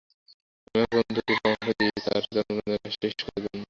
আমি আমার বন্ধুকে পরামর্শ দিই তার জন্মনিবন্ধনের কাজটি শেষ করার জন্য।